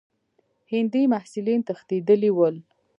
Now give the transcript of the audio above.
هندي محصلین تښتېدلي ول.